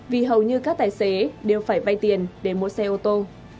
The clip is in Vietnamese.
vì hầu như các tài xế đều phải vay tiền để mua xe ô tô